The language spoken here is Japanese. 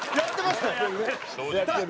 やってるね。